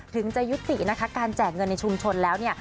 จะยุตินะคะการแจกเงินในชุมชนแล้วเนี่ย